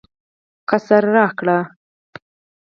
قصر راکړ.